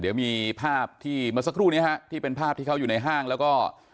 เดี๋ยวมีภาพที่เมื่อสักครู่นี้ฮะที่เป็นภาพที่เขาอยู่ในห้างแล้วก็